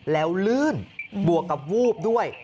แล้วลื่นบวกกับวูบด้วย